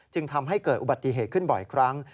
จึงทำให้เกิดอุบัติเหตุขึ้นบ่อยครั้ง